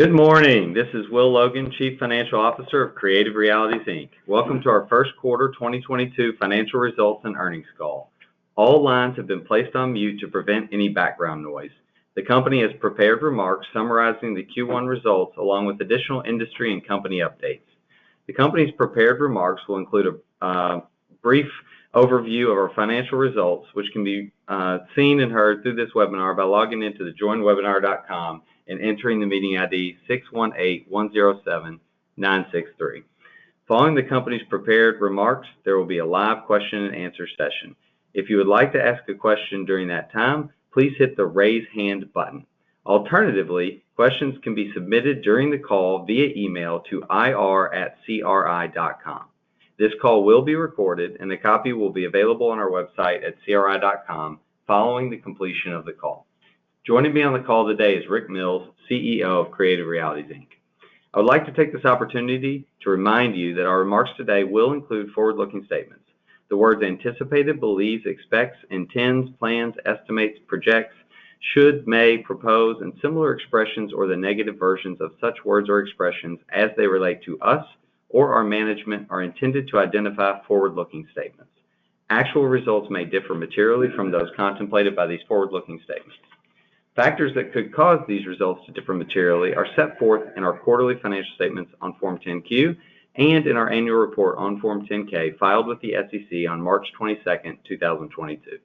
Good morning. This is Will Logan, Chief Financial Officer of Creative Realities, Inc. Welcome to our first quarter 2022 financial results and earnings call. All lines have been placed on mute to prevent any background noise. The company has prepared remarks summarizing the Q1 results along with additional industry and company updates. The company's prepared remarks will include a brief overview of our financial results, which can be seen and heard through this webinar by logging into JoinWebinar.com and entering the meeting ID 618107963. Following the company's prepared remarks, there will be a live question and answer session. If you would like to ask a question during that time, please hit the raise hand button. Alternatively, questions can be submitted during the call via email to ir@cri.com. This call will be recorded, and a copy will be available on our website at cri.com following the completion of the call. Joining me on the call today is Rick Mills, CEO of Creative Realities, Inc. I would like to take this opportunity to remind you that our remarks today will include forward-looking statements. The words anticipated, believes, expects, intends, plans, estimates, projects, should, may, propose, and similar expressions or the negative versions of such words or expressions as they relate to us or our management are intended to identify forward-looking statements. Actual results may differ materially from those contemplated by these forward-looking statements. Factors that could cause these results to differ materially are set forth in our quarterly financial statements on Form 10-Q and in our annual report on Form 10-K filed with the SEC on March 22, 2022.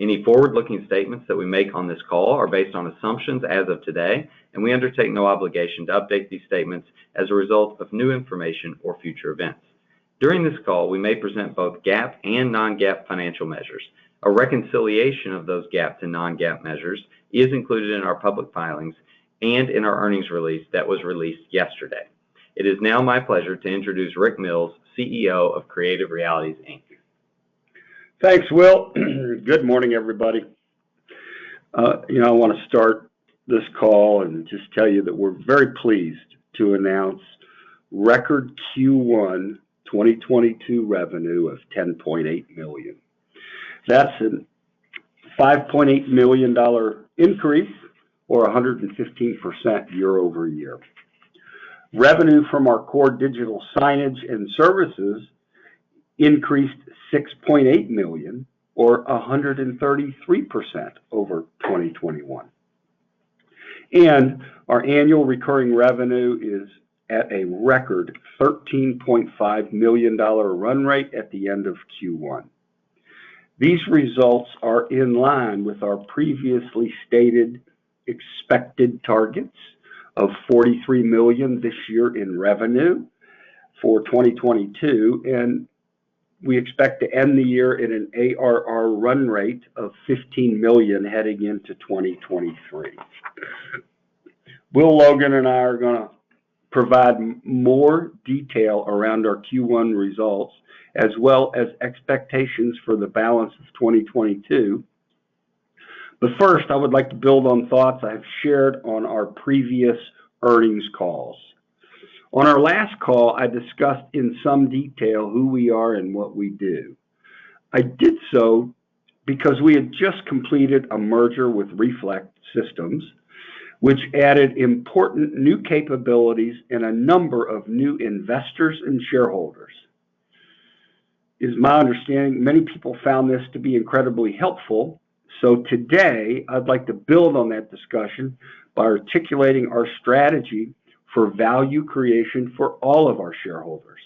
Any forward-looking statements that we make on this call are based on assumptions as of today, and we undertake no obligation to update these statements as a result of new information or future events. During this call, we may present both GAAP and non-GAAP financial measures. A reconciliation of those GAAP to non-GAAP measures is included in our public filings and in our earnings release that was released yesterday. It is now my pleasure to introduce Rick Mills, CEO of Creative Realities, Inc. Thanks, Will. Good morning, everybody. You know, I want to start this call and just tell you that we're very pleased to announce record Q1 2022 revenue of $10.8 million. That's a $5.8 million increase or 115% year-over-year. Revenue from our core digital signage and services increased $6.8 million or 133% over 2021. Our annual recurring revenue is at a record $13.5 million run rate at the end of Q1. These results are in line with our previously stated expected targets of $43 million this year in revenue for 2022, and we expect to end the year at an ARR run rate of $15 million heading into 2023. Will Logan and I are gonna provide more detail around our Q1 results as well as expectations for the balance of 2022. First, I would like to build on thoughts I have shared on our previous earnings calls. On our last call, I discussed in some detail who we are and what we do. I did so because we had just completed a merger with Reflect Systems, which added important new capabilities and a number of new investors and shareholders. It is my understanding many people found this to be incredibly helpful. Today, I'd like to build on that discussion by articulating our strategy for value creation for all of our shareholders.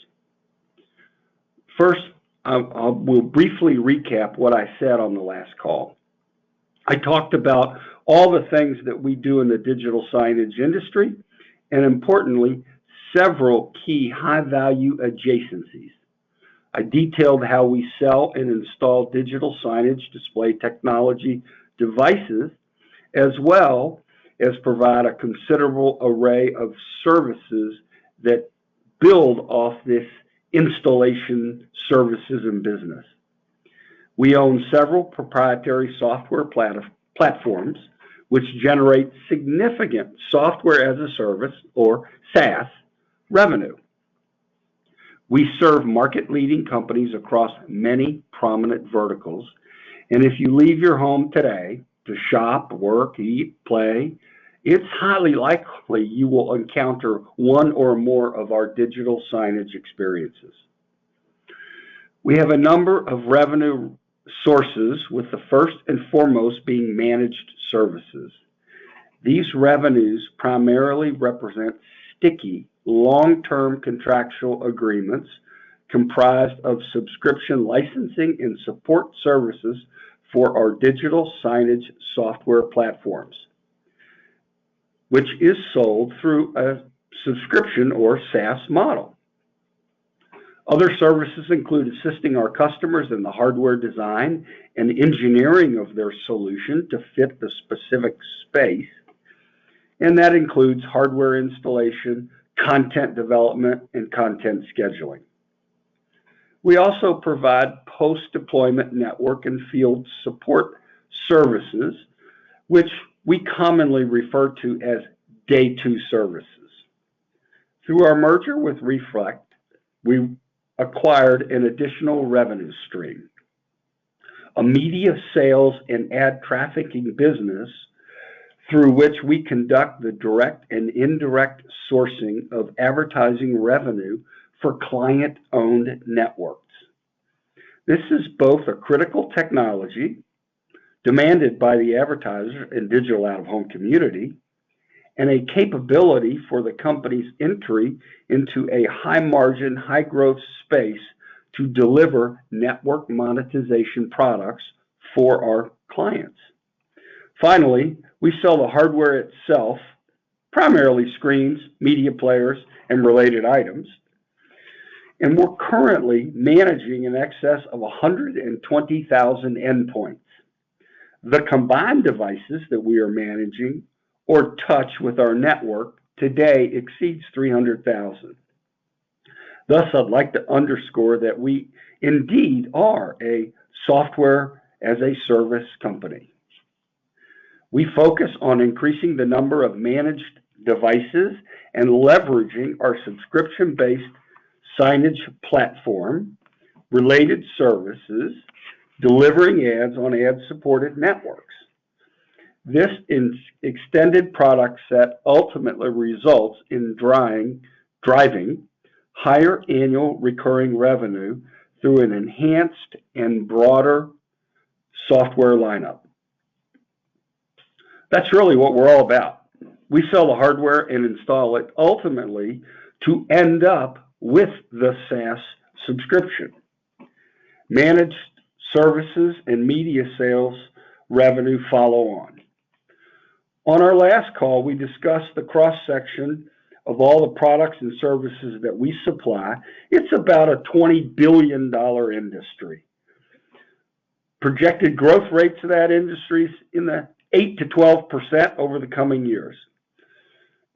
First, I will briefly recap what I said on the last call. I talked about all the things that we do in the digital signage industry, and importantly, several key high-value adjacencies. I detailed how we sell and install digital signage display technology devices, as well as provide a considerable array of services that build off this installation services and business. We own several proprietary software platforms which generate significant software as a service or SaaS revenue. We serve market-leading companies across many prominent verticals. If you leave your home today to shop, work, eat, play, it's highly likely you will encounter one or more of our digital signage experiences. We have a number of revenue sources with the first and foremost being managed services. These revenues primarily represent sticky long-term contractual agreements comprised of subscription licensing and support services for our digital signage software platforms, which is sold through a subscription or SaaS model. Other services include assisting our customers in the hardware design and engineering of their solution to fit the specific space, and that includes hardware installation, content development, and content scheduling. We also provide post-deployment network and field support services, which we commonly refer to as day two services. Through our merger with Reflect, we acquired an additional revenue stream. A media sales and ad trafficking business through which we conduct the direct and indirect sourcing of advertising revenue for client-owned networks. This is both a critical technology demanded by the advertiser and digital out-of-home community, and a capability for the company's entry into a high-margin, high-growth space to deliver network monetization products for our clients. Finally, we sell the hardware itself, primarily screens, media players, and related items, and we're currently managing in excess of 120,000 endpoints. The combined devices that we are managing or touch with our network today exceeds 300,000. Thus, I'd like to underscore that we indeed are a software-as-a-service company. We focus on increasing the number of managed devices and leveraging our subscription-based signage platform, related services, delivering ads on ad-supported networks. This extended product set ultimately results in driving higher annual recurring revenue through an enhanced and broader software lineup. That's really what we're all about. We sell the hardware and install it ultimately to end up with the SaaS subscription. Managed services and media sales revenue follow on. On our last call, we discussed the cross-section of all the products and services that we supply. It's about a $20 billion industry. Projected growth rates of that industry is in the 8%-12% over the coming years.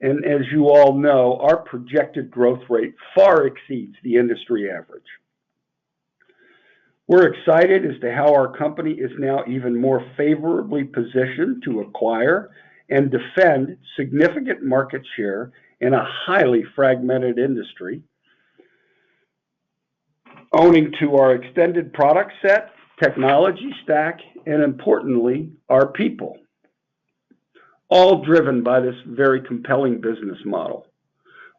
As you all know, our projected growth rate far exceeds the industry average. We're excited as to how our company is now even more favorably positioned to acquire and defend significant market share in a highly fragmented industry owing to our extended product set, technology stack, and importantly, our people, all driven by this very compelling business model.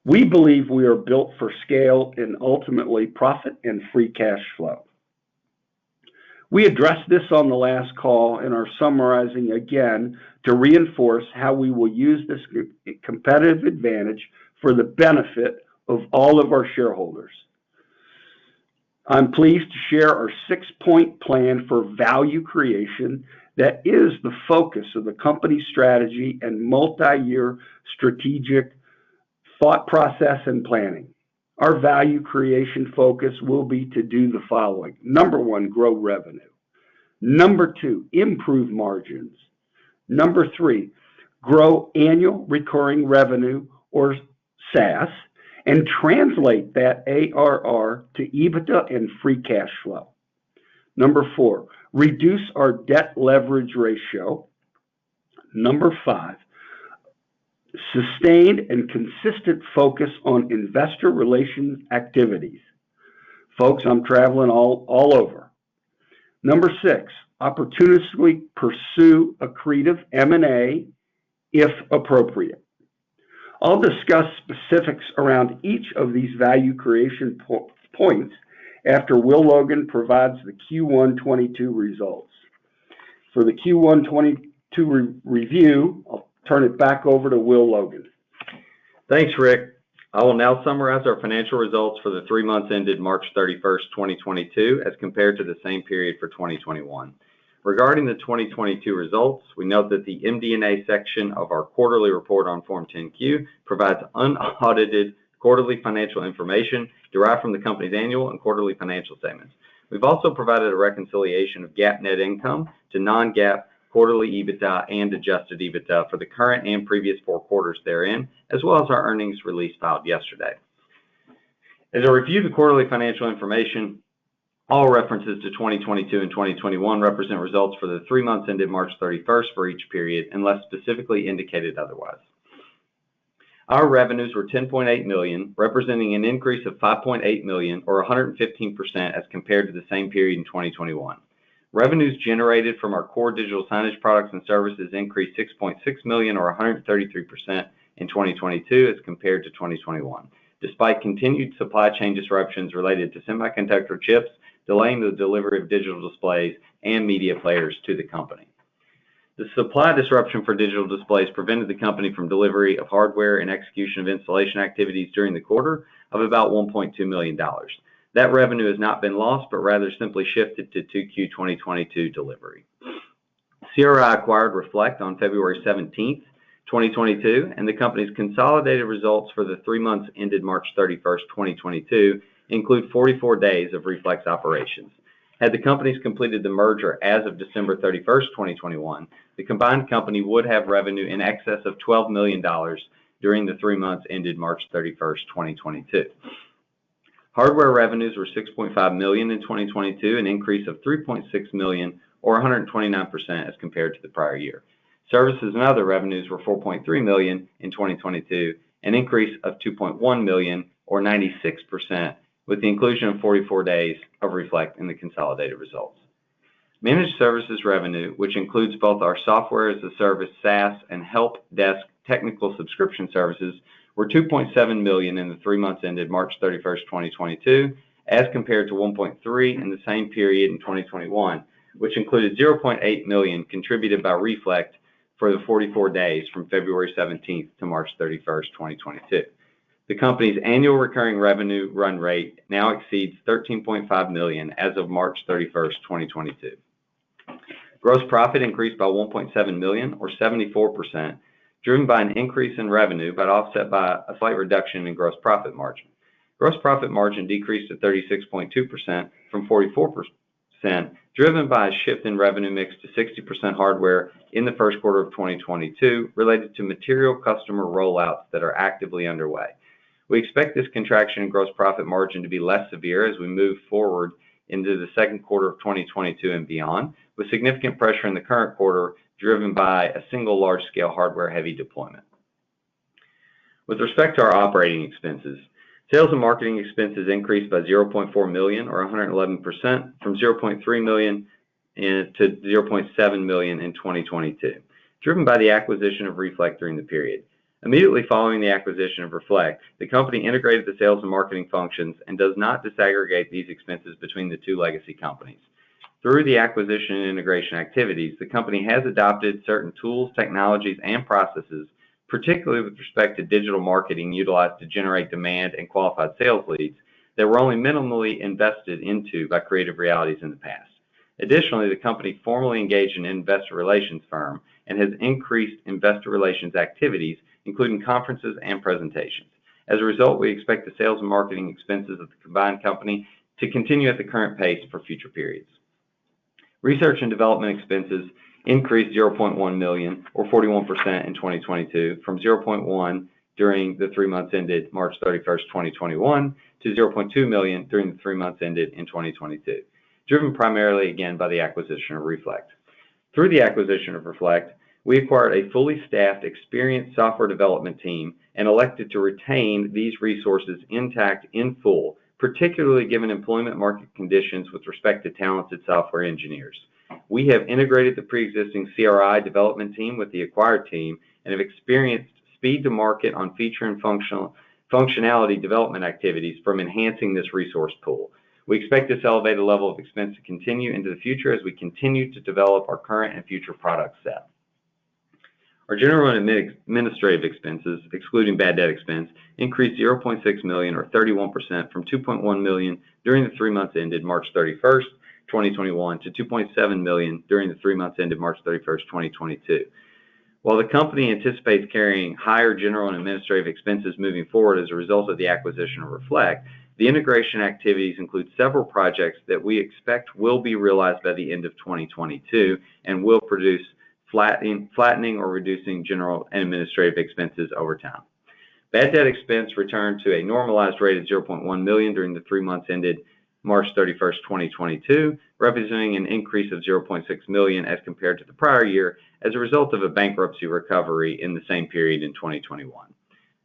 We believe we are built for scale and ultimately profit and free cash flow. We addressed this on the last call and are summarizing again to reinforce how we will use this competitive advantage for the benefit of all of our shareholders. I'm pleased to share our six-point plan for value creation that is the focus of the company's strategy and multi-year strategic thought process and planning. Our value creation focus will be to do the following. Number one, grow revenue. Number two, improve margins. Number three, grow annual recurring revenue or SaaS and translate that ARR to EBITDA and free cash flow. Number four, reduce our debt leverage ratio. Number five, sustained and consistent focus on investor relations activities. Folks, I'm traveling all over. Number six, opportunistically pursue accretive M&A if appropriate. I'll discuss specifics around each of these value creation points after Will Logan provides the Q1 2022 results. For the Q1 2022 review, I'll turn it back over to Will Logan. Thanks, Rick. I will now summarize our financial results for the three months ended March 31, 2022, as compared to the same period for 2021. Regarding the 2022 results, we note that the MD&A section of our quarterly report on Form 10-Q provides unaudited quarterly financial information derived from the company's annual and quarterly financial statements. We've also provided a reconciliation of GAAP net income to non-GAAP quarterly EBITDA and adjusted EBITDA for the current and previous four quarters therein, as well as our earnings release filed yesterday. As I review the quarterly financial information, all references to 2022 and 2021 represent results for the three months ended March 31 for each period, unless specifically indicated otherwise. Our revenues were $10.8 million, representing an increase of $5.8 million or 115% as compared to the same period in 2021. Revenues generated from our core digital signage products and services increased $6.6 million or 133% in 2022 as compared to 2021, despite continued supply chain disruptions related to semiconductor chips delaying the delivery of digital displays and media players to the company. The supply disruption for digital displays prevented the company from delivery of hardware and execution of installation activities during the quarter of about $1.2 million. That revenue has not been lost, but rather simply shifted to 2Q 2022 delivery. CRI acquired Reflect on February 17, 2022, and the company's consolidated results for the three months ended March 31, 2022 include 44 days of Reflect's operations. Had the companies completed the merger as of December 31, 2021, the combined company would have revenue in excess of $12 million during the three months ended March 31, 2022. Hardware revenues were $6.5 million in 2022, an increase of $3.6 million or 129% as compared to the prior year. Services and other revenues were $4.3 million in 2022, an increase of $2.1 million or 96%, with the inclusion of 44 days of Reflect in the consolidated results. Managed services revenue, which includes both our software as a service, SaaS, and help desk technical subscription services were $2.7 million in the three months ended March 31, 2022 as compared to $1.3 million in the same period in 2021, which included $0.8 million contributed by Reflect for the 44 days from February 17 to March 31, 2022. The company's annual recurring revenue run rate now exceeds $13.5 million as of March 31, 2022. Gross profit increased by $1.7 million or 74% driven by an increase in revenue, but offset by a slight reduction in gross profit margin. Gross profit margin decreased to 36.2% from 44%, driven by a shift in revenue mix to 60% hardware in the first quarter of 2022 related to material customer rollouts that are actively underway. We expect this contraction in gross profit margin to be less severe as we move forward into the second quarter of 2022 and beyond, with significant pressure in the current quarter driven by a single large-scale hardware-heavy deployment. With respect to our operating expenses, sales and marketing expenses increased by $0.4 million or 111% from $0.3 million to $0.7 million in 2022, driven by the acquisition of Reflect during the period. Immediately following the acquisition of Reflect, the company integrated the sales and marketing functions and does not disaggregate these expenses between the two legacy companies. Through the acquisition and integration activities, the company has adopted certain tools, technologies, and processes, particularly with respect to digital marketing utilized to generate demand and qualified sales leads that were only minimally invested into by Creative Realities in the past. Additionally, the company formally engaged an investor relations firm and has increased investor relations activities, including conferences and presentations. As a result, we expect the sales and marketing expenses of the combined company to continue at the current pace for future periods. Research and development expenses increased $0.1 million or 41% in 2022 from $0.1 million during the three months ended March 31, 2021 to $0.2 million during the three months ended in 2022, driven primarily again by the acquisition of Reflect. Through the acquisition of Reflect, we acquired a fully staffed, experienced software development team and elected to retain these resources intact in full, particularly given employment market conditions with respect to talented software engineers. We have integrated the pre-existing CRI development team with the acquired team and have experienced speed to market on feature and functionality development activities from enhancing this resource pool. We expect this elevated level of expense to continue into the future as we continue to develop our current and future product set. Our general and administrative expenses, excluding bad debt expense, increased $0.6 million or 31% from $2.1 million during the three months ended March 31st, 2021 to $2.7 million during the three months ended March 31st, 2022. While the company anticipates carrying higher general and administrative expenses moving forward as a result of the acquisition of Reflect, the integration activities include several projects that we expect will be realized by the end of 2022 and will produce flattening or reducing general and administrative expenses over time. Bad debt expense returned to a normalized rate of $0.1 million during the three months ended March 31, 2022, representing an increase of $0.6 million as compared to the prior year as a result of a bankruptcy recovery in the same period in 2021.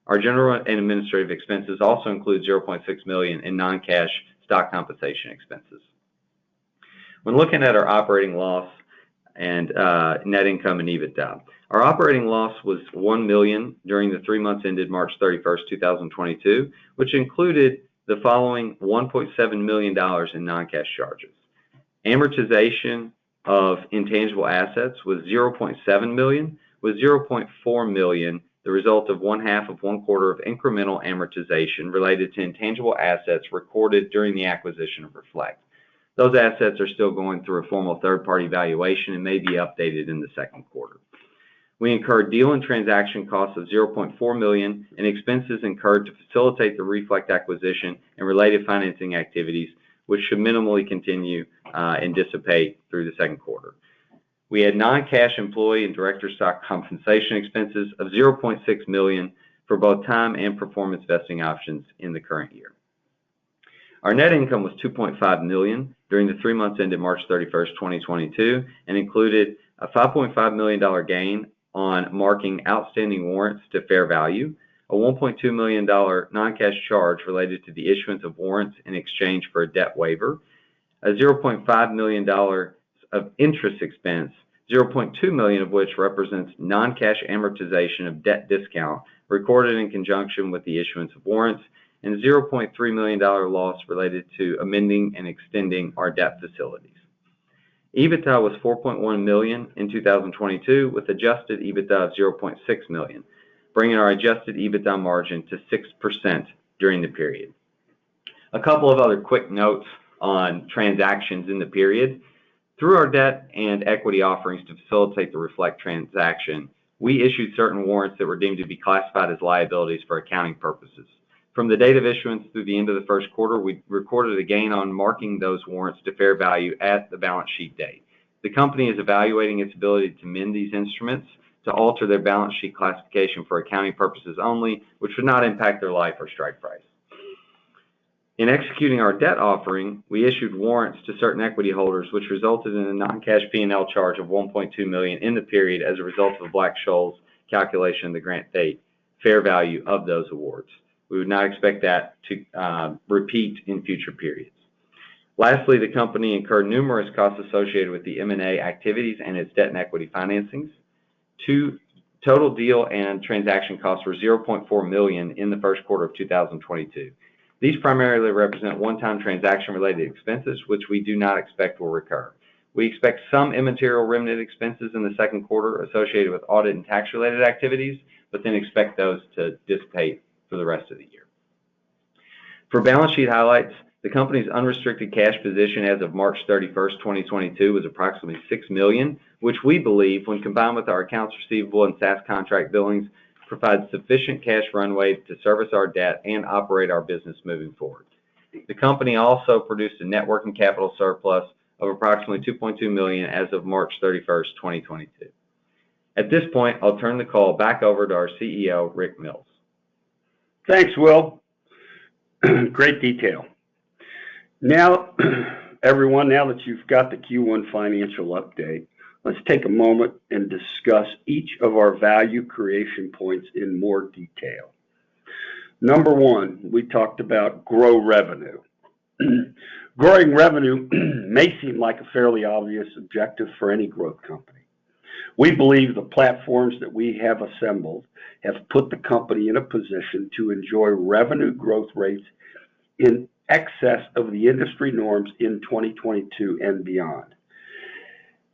Our general and administrative expenses also include $0.6 million in non-cash stock compensation expenses. When looking at our operating loss and net income and EBITDA, our operating loss was $1 million during the three months ended March 31st, 2022, which included the following $1.7 million in non-cash charges. Amortization of intangible assets was $0.7 million, with $0.4 million the result of one half of one quarter of incremental amortization related to intangible assets recorded during the acquisition of Reflect. Those assets are still going through a formal third-party valuation and may be updated in the second quarter. We incurred deal and transaction costs of $0.4 million and expenses incurred to facilitate the Reflect acquisition and related financing activities, which should minimally continue and dissipate through the second quarter. We had non-cash employee and director stock compensation expenses of $0.6 million for both time and performance vesting options in the current year. Our net income was $2.5 million during the three months ended March 31, 2022, and included a $5.5 million gain on marking outstanding warrants to fair value, a $1.2 million non-cash charge related to the issuance of warrants in exchange for a debt waiver, a $0.5 million of interest expense, $0.2 million of which represents non-cash amortization of debt discount recorded in conjunction with the issuance of warrants, and $0.3 million loss related to amending and extending our debt facilities. EBITDA was $4.1 million in 2022, with adjusted EBITDA of $0.6 million, bringing our adjusted EBITDA margin to 6% during the period. A couple of other quick notes on transactions in the period. Through our debt and equity offerings to facilitate the Reflect transaction, we issued certain warrants that were deemed to be classified as liabilities for accounting purposes. From the date of issuance through the end of the first quarter, we recorded a gain on marking those warrants to fair value at the balance sheet date. The company is evaluating its ability to amend these instruments to alter their balance sheet classification for accounting purposes only, which would not impact their life or strike price. In executing our debt offering, we issued warrants to certain equity holders, which resulted in a non-cash P&L charge of $1.2 million in the period as a result of a Black-Scholes calculation of the grant date fair value of those awards. We would not expect that to repeat in future periods. Lastly, the company incurred numerous costs associated with the M&A activities and its debt and equity financings. Total deal and transaction costs were $0.4 million in the first quarter of 2022. These primarily represent one-time transaction-related expenses, which we do not expect will recur. We expect some immaterial remnant expenses in the second quarter associated with audit and tax-related activities, but then expect those to dissipate for the rest of the year. For balance sheet highlights, the company's unrestricted cash position as of March 31, 2022, was approximately $6 million, which we believe, when combined with our accounts receivable and SaaS contract billings, provide sufficient cash runway to service our debt and operate our business moving forward. The company also produced a net working capital surplus of approximately $2.2 million as of March 31, 2022. At this point, I'll turn the call back over to our CEO, Rick Mills. Thanks, Will. Great detail. Now, everyone, now that you've got the Q1 financial update, let's take a moment and discuss each of our value creation points in more detail. Number one, we talked about grow revenue. Growing revenue may seem like a fairly obvious objective for any growth company. We believe the platforms that we have assembled have put the company in a position to enjoy revenue growth rates in excess of the industry norms in 2022 and beyond.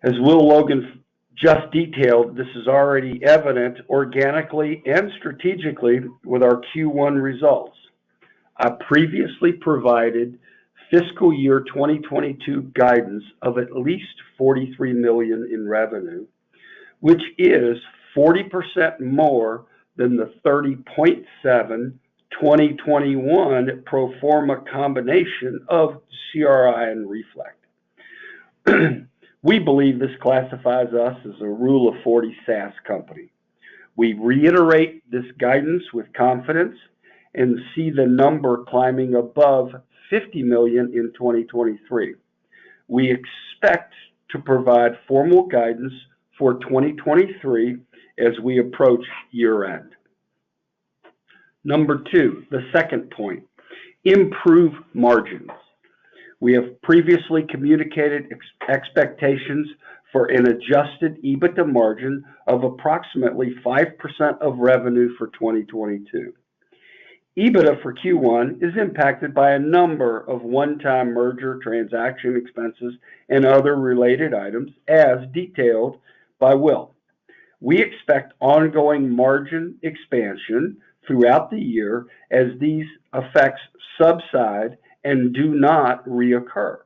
As Will Logan just detailed, this is already evident organically and strategically with our Q1 results. I previously provided fiscal year 2022 guidance of at least $43 million in revenue, which is 40% more than the $30.7 million 2021 pro forma combination of CRI and Reflect. We believe this classifies us as a Rule of 40 SaaS company. We reiterate this guidance with confidence and see the number climbing above $50 million in 2023. We expect to provide formal guidance for 2023 as we approach year-end. Number two, the second point, improve margins. We have previously communicated expectations for an adjusted EBITDA margin of approximately 5% of revenue for 2022. EBITDA for Q1 is impacted by a number of one-time merger transaction expenses and other related items as detailed by Will. We expect ongoing margin expansion throughout the year as these effects subside and do not reoccur.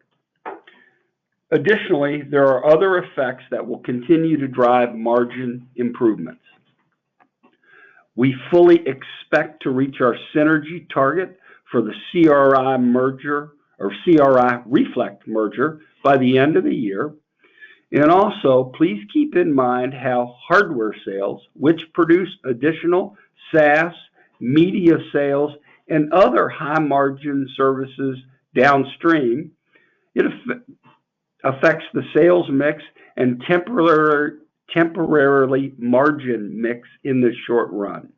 Additionally, there are other effects that will continue to drive margin improvements. We fully expect to reach our synergy target for the CRI merger or CRI/Reflect merger by the end of the year. Please keep in mind how hardware sales, which produce additional SaaS, media sales, and other high-margin services downstream, it affects the sales mix and temporarily margin mix in the short run.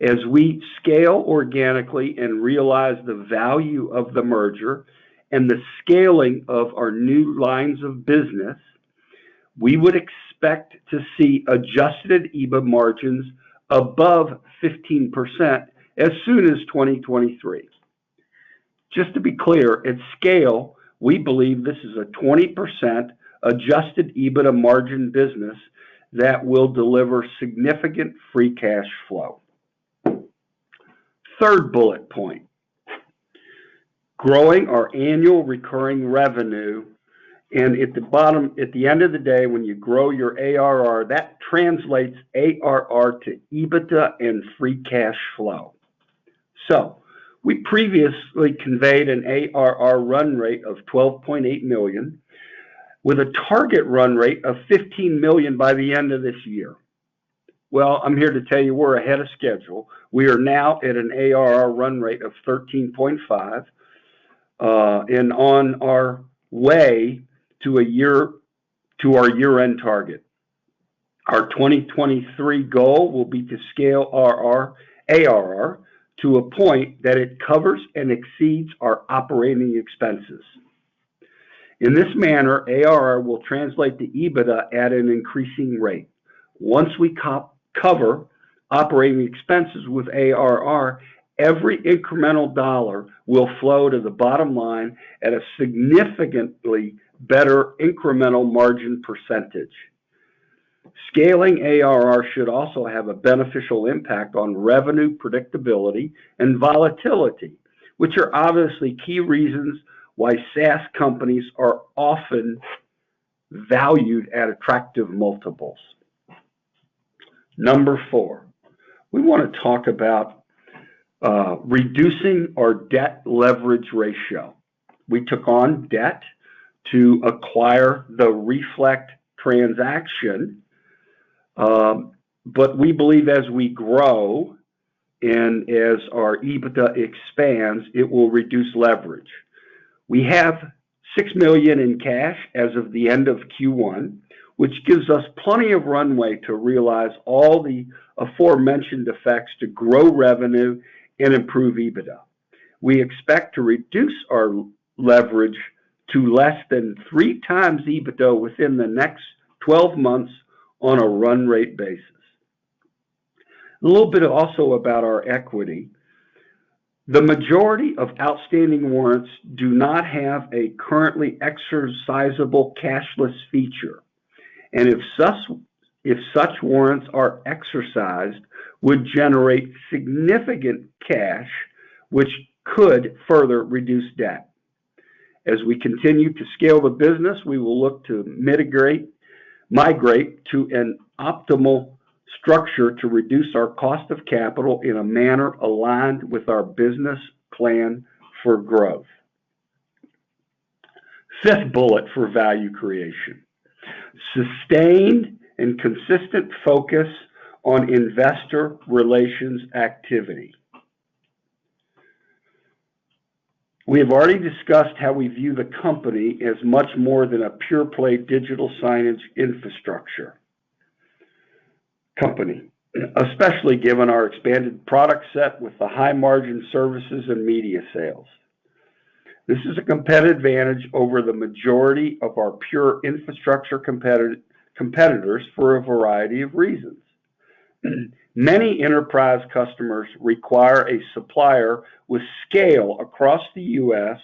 As we scale organically and realize the value of the merger and the scaling of our new lines of business, we would expect to see adjusted EBIT margins above 15% as soon as 2023. Just to be clear, at scale, we believe this is a 20% adjusted EBITDA margin business that will deliver significant free cash flow. Third bullet point, growing our annual recurring revenue, and at the end of the day, when you grow your ARR, that translates ARR to EBITDA and free cash flow. We previously conveyed an ARR run rate of $12.8 million with a target run rate of $15 million by the end of this year. Well, I'm here to tell you we're ahead of schedule. We are now at an ARR run rate of 13.5 and on our way to our year-end target. Our 2023 goal will be to scale ARR to a point that it covers and exceeds our operating expenses. In this manner, ARR will translate to EBITDA at an increasing rate. Once we cover operating expenses with ARR, every incremental dollar will flow to the bottom line at a significantly better incremental margin percentage. Scaling ARR should also have a beneficial impact on revenue predictability and volatility, which are obviously key reasons why SaaS companies are often valued at attractive multiples. Number four, we wanna talk about reducing our debt leverage ratio. We took on debt to acquire the Reflect transaction, but we believe as we grow and as our EBITDA expands, it will reduce leverage. We have $6 million in cash as of the end of Q1, which gives us plenty of runway to realize all the aforementioned effects to grow revenue and improve EBITDA. We expect to reduce our leverage to less than three times EBITDA within the next 12 months on a run rate basis. A little bit also about our equity. The majority of outstanding warrants do not have a currently exercisable cashless feature, and if such warrants are exercised, would generate significant cash which could further reduce debt. As we continue to scale the business, we will look to migrate to an optimal structure to reduce our cost of capital in a manner aligned with our business plan for growth. Fifth bullet for value creation. Sustained and consistent focus on investor relations activity. We have already discussed how we view the company as much more than a pure play digital signage infrastructure company, especially given our expanded product set with the high margin services and media sales. This is a competitive advantage over the majority of our pure infrastructure competitors for a variety of reasons. Many enterprise customers require a supplier with scale across the U.S.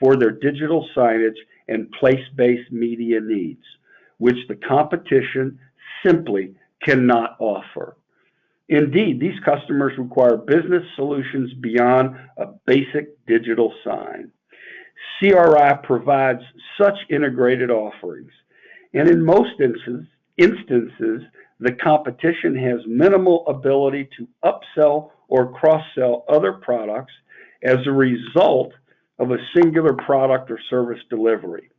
for their digital signage and place-based media needs, which the competition simply cannot offer. Indeed, these customers require business solutions beyond a basic digital sign. CRI provides such integrated offerings. In most instances, the competition has minimal ability to upsell or cross-sell other products as a result of a singular product or service delivery.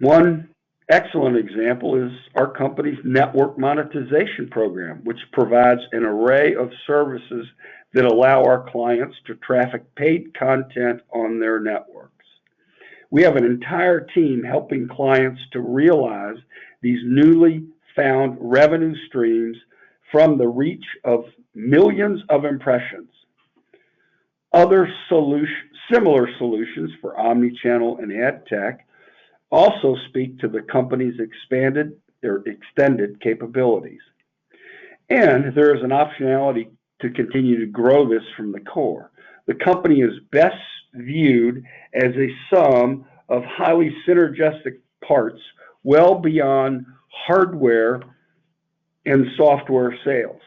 One excellent example is our company's network monetization program, which provides an array of services that allow our clients to traffic paid content on their networks. We have an entire team helping clients to realize these newly found revenue streams from the reach of millions of impressions. Other similar solutions for omnichannel and AdTech also speak to the company's expanded or extended capabilities. There is an optionality to continue to grow this from the core. The company is best viewed as a sum of highly synergistic parts well beyond hardware and software sales.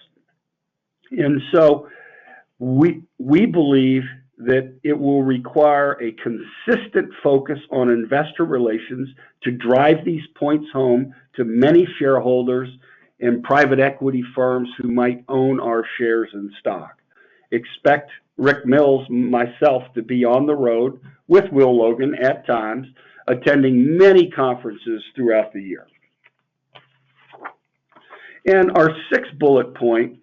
We believe that it will require a consistent focus on investor relations to drive these points home to many shareholders and private equity firms who might own our shares and stock. Expect Rick Mills myself to be on the road with Will Logan at times, attending many conferences throughout the year. Our sixth bullet point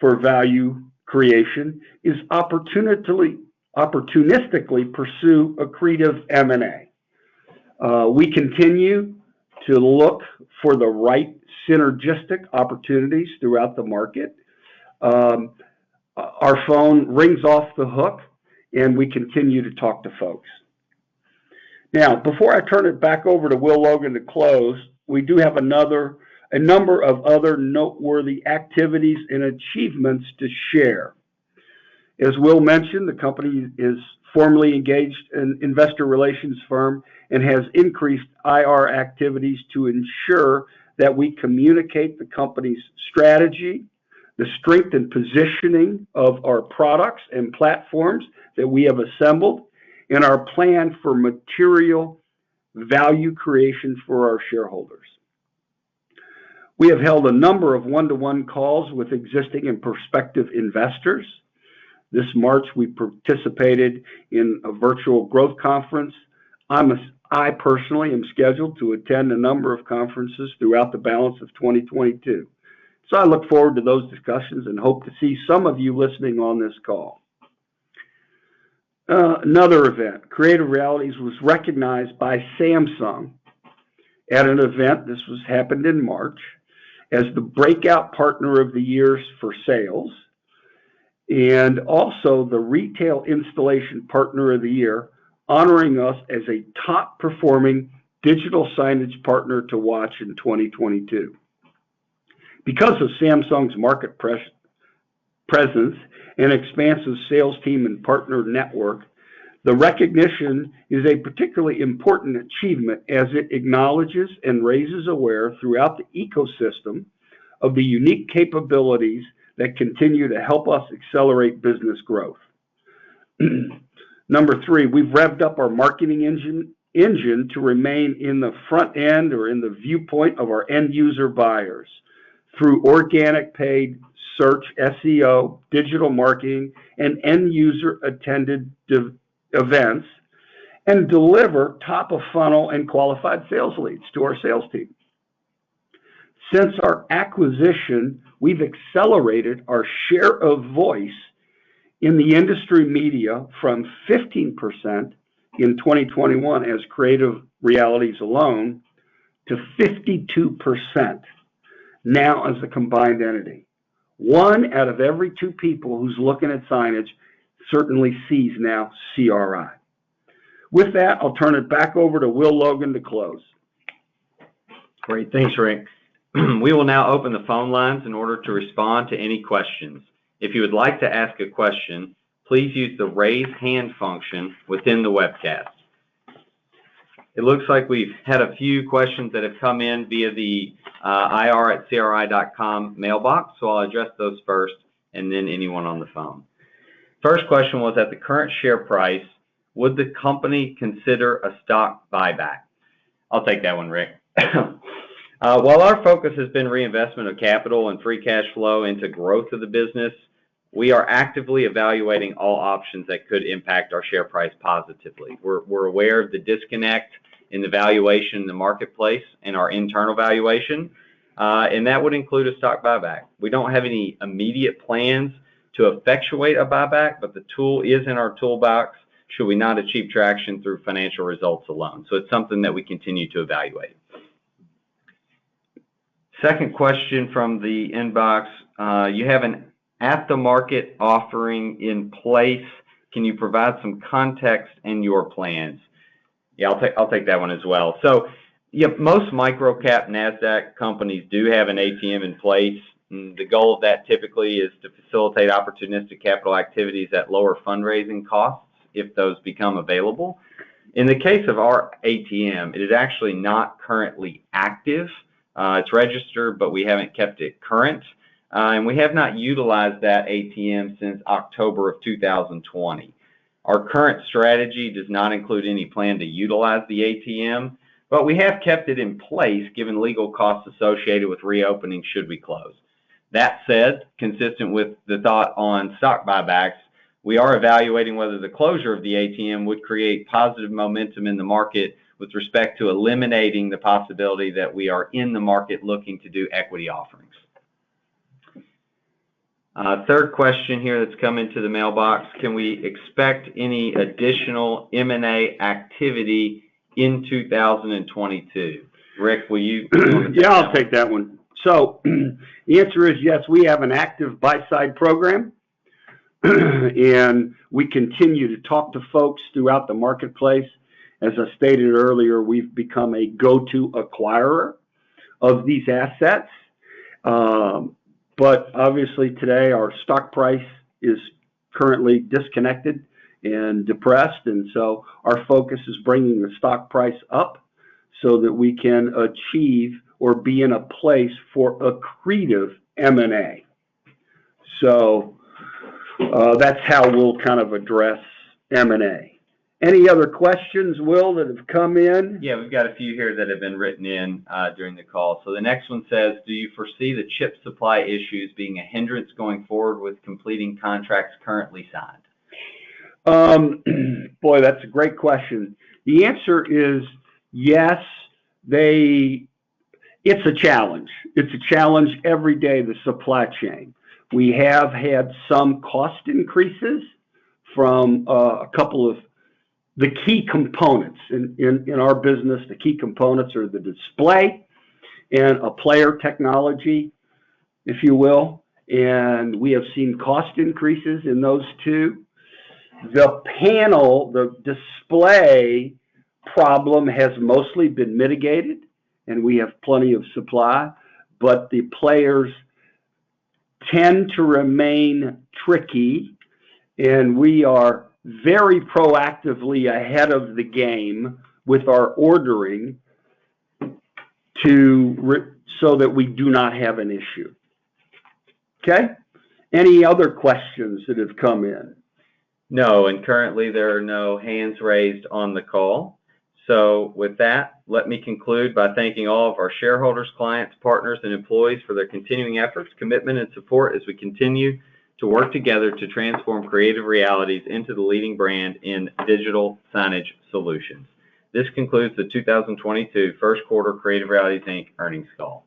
for value creation is opportunistically pursue accretive M&A. We continue to look for the right synergistic opportunities throughout the market. Our phone rings off the hook, and we continue to talk to folks. Now, before I turn it back over to Will Logan to close, we do have a number of other noteworthy activities and achievements to share. As Will mentioned, the company is formally engaged in investor relations firm and has increased IR activities to ensure that we communicate the company's strategy, the strength and positioning of our products and platforms that we have assembled, and our plan for material value creation for our shareholders. We have held a number of one-to-one calls with existing and prospective investors. This March, we participated in a virtual growth conference. I personally am scheduled to attend a number of conferences throughout the balance of 2022. I look forward to those discussions and hope to see some of you listening on this call. Another event. Creative Realities was recognized by Samsung at an event. This was happened in March, as the breakout partner of the year for sales, and also the retail installation partner of the year, honoring us as a top performing digital signage partner to watch in 2022. Because of Samsung's market presence and expansive sales team and partner network, the recognition is a particularly important achievement as it acknowledges and raises awareness throughout the ecosystem of the unique capabilities that continue to help us accelerate business growth. Number three, we've revved up our marketing engine to remain in the front end or in the viewpoint of our end user buyers through organic paid search, SEO, digital marketing, and end user attended events, and deliver top of funnel and qualified sales leads to our sales team. Since our acquisition, we've accelerated our share of voice in the industry media from 15% in 2021 as Creative Realities alone to 52% now as a combined entity. One out of every two people who's looking at signage certainly sees our CRI. With that, I'll turn it back over to Will Logan to close. Great. Thanks, Rick. We will now open the phone lines in order to respond to any questions. If you would like to ask a question, please use the Raise Hand function within the webcast. It looks like we've had a few questions that have come in via the ir@cri.com mailbox, so I'll address those first, and then anyone on the phone. First question was, "At the current share price, would the company consider a stock buyback?" I'll take that one, Rick. While our focus has been reinvestment of capital and free cash flow into growth of the business, we are actively evaluating all options that could impact our share price positively. We're aware of the disconnect in the valuation in the marketplace and our internal valuation, and that would include a stock buyback. We don't have any immediate plans to effectuate a buyback, but the tool is in our toolbox should we not achieve traction through financial results alone. It's something that we continue to evaluate. Second question from the inbox. You have an at-the-market offering in place. Can you provide some context in your plans? Yeah, I'll take that one as well. Yeah, most micro-cap Nasdaq companies do have an ATM in place. The goal of that typically is to facilitate opportunistic capital activities at lower fundraising costs if those become available. In the case of our ATM, it is actually not currently active. It's registered, but we haven't kept it current, and we have not utilized that ATM since October 2020. Our current strategy does not include any plan to utilize the ATM, but we have kept it in place given legal costs associated with reopening should we close. That said, consistent with the thought on stock buybacks, we are evaluating whether the closure of the ATM would create positive momentum in the market with respect to eliminating the possibility that we are in the market looking to do equity offerings. Third question here that's come into the mailbox. Can we expect any additional M&A activity in 2022? Rick, will you- Yeah, I'll take that one. The answer is yes, we have an active buy-side program, and we continue to talk to folks throughout the marketplace. As I stated earlier, we've become a go-to acquirer of these assets. Obviously today our stock price is currently disconnected and depressed, and so our focus is bringing the stock price up so that we can achieve or be in a place for accretive M&A. That's how we'll kind of address M&A. Any other questions, Will, that have come in? Yeah, we've got a few here that have been written in, during the call. The next one says, "Do you foresee the chip supply issues being a hindrance going forward with completing contracts currently signed? Boy, that's a great question. The answer is yes. It's a challenge. It's a challenge every day, the supply chain. We have had some cost increases from a couple of the key components in our business. The key components are the display and a player technology, if you will, and we have seen cost increases in those two. The panel, the display problem has mostly been mitigated, and we have plenty of supply, but the players tend to remain tricky, and we are very proactively ahead of the game with our ordering so that we do not have an issue. Okay? Any other questions that have come in? No, and currently there are no hands raised on the call. With that, let me conclude by thanking all of our shareholders, clients, partners, and employees for their continuing efforts, commitment, and support as we continue to work together to transform Creative Realities into the leading brand in digital signage solutions. This concludes the 2022 first quarter Creative Realities, Inc. earnings call.